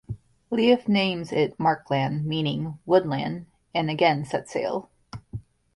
Leif names it Markland meaning "Wood land" and again sets sail.